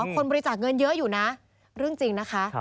คนบริจาคเงินเยอะอยู่นะเรื่องจริงนะคะ